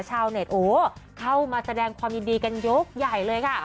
ชาวเน็ตโอ้เข้ามาแสดงความยินดีกันยกใหญ่เลยค่ะ